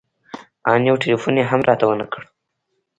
ان يو ټېلفون يې هم راته ونه کړ.